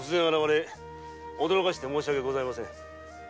驚かせて申し訳ございません。